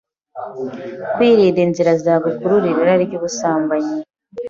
Kwirinda inzira zagukururira irari rw’ubusambanyi.